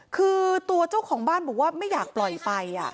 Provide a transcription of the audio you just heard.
คือตัวเจ้าของบ้านบอกว่าไม่อยากปล่อยไป